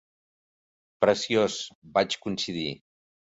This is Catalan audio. "Preciós", vaig coincidir.